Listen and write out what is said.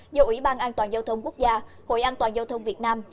do ủy ban an toàn giao thông quốc gia hội an toàn giao thông việt nam